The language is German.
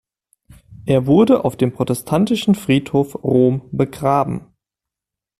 Er wurde auf dem Protestantischen Friedhof Rom begraben.